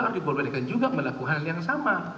ahli perubatan juga melakukan hal yang sama